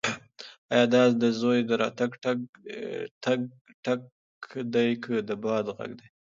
ایا دا د زوی د راتګ ټک دی که د باد غږ دی؟